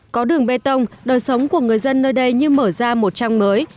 có đường bê tông đời sống của người dân nơi đây như mở ra một trang mới